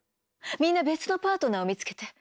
みんな別のパートナーを見つけて